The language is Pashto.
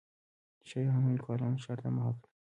شاعرانو او لیکوالانو ښار ته مخه کړه.